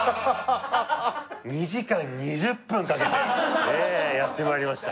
２時間２０分かけてねえやってまいりました